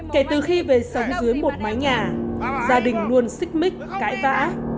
kể từ khi về sống dưới một mái nhà gia đình luôn xích mích cãi vã